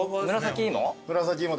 紫芋？